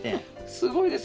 すごいです。